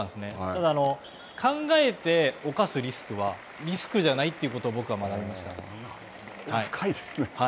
ただ、考えて冒すリスクはリスクじゃないということを深いですね。